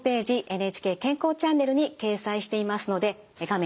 「ＮＨＫ健康チャンネル」に掲載していますので画面